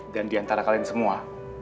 dan diantara kalian semua